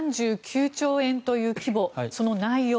３９兆円という規模その内容